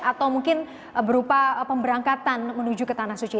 atau mungkin berupa pemberangkatan menuju ke tanah suci